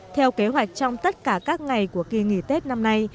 theo kế hoạch trong tất cả các ngày của kỳ nghỉ tết năm nay